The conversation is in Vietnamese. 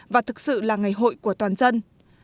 và thực sự là ngày hội của toàn dân